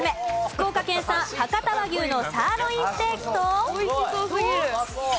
福岡県産博多和牛のサーロインステーキと。